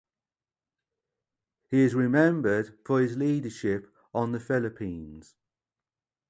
He is remembered for his leadership on the Philippines.